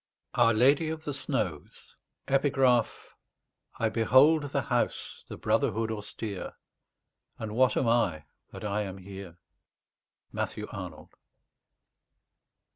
OUR LADY OF THE SNOWS I behold The House, the Brotherhood austere And what am I, that I am here? MATTHEW ARNOLD.